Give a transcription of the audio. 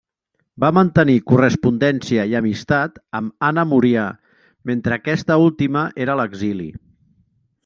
Va mantenir correspondència i amistat amb Anna Murià, mentre aquesta última era a l’exili.